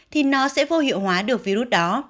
thì nó sẽ vô hiệu hóa được virus đó